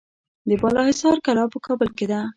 د بالاحصار کلا په کابل کې ده